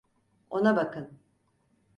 Ona bakın!